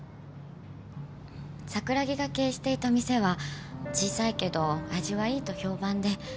桜木が経営していた店は小さいけど味はいいと評判で。